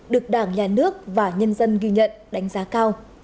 được đảng nhà nước và nhân dân ghi nhận đánh giá cao